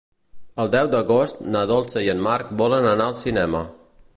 El deu d'agost na Dolça i en Marc volen anar al cinema.